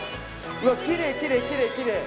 うわっきれいきれいきれいきれい。